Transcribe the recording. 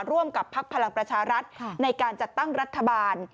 ร่วมกับภักดิ์พลังประชารัฐในการจัดตั้งรัฐบาล